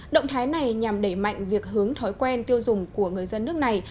động thái này nhằm đẩy mạnh việc hướng thói quen tiêu dùng của người dân nước này